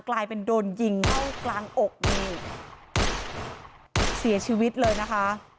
กลายเป็นโดนยิงเข้ากลางอกนี่เสียชีวิตเลยนะคะ